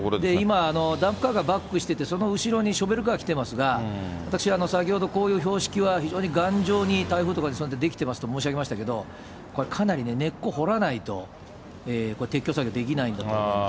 今、ダンプカーがバックしてて、その後ろにショベルカー来ていますが、私、先ほど、こういう標識は非常に頑丈に、台風とかに備えて出来てますと申し上げましたけど、これ、かなり根っこ掘らないとこれ、撤去作業できないんだと思います。